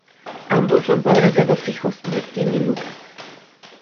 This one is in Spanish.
Ambos son padres de dos hijos Martín y Lucas.